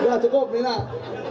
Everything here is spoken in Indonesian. sudah cukup ini lah